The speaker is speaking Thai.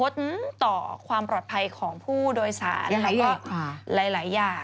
โดยสารและก็หลายอย่าง